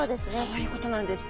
そういうことなんです。